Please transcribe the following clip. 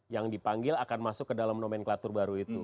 yang dipanggil akan masuk ke dalam nomenklatur baru itu